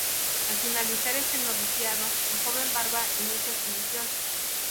Al finalizar este noviciado, el joven Barba inicia su misión.